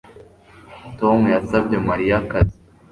Tom yasabye Mariya akazi